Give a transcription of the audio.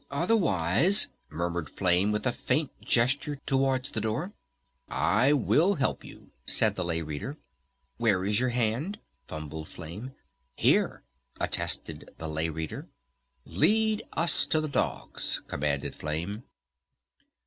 "Otherwise " murmured Flame with a faint gesture towards the door. "I will help you," said the Lay Reader. "Where is your hand?" fumbled Flame. "Here!" attested the Lay Reader. "Lead us to the dogs!" commanded Flame.